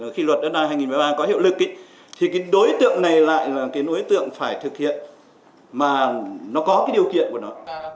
khi luật đất đai hai nghìn một mươi ba có hiệu lực thì cái đối tượng này lại là cái đối tượng phải thực hiện mà nó có cái điều kiện của nó